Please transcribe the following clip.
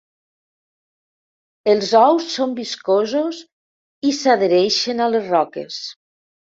Els ous són viscosos i s'adhereixen a les roques.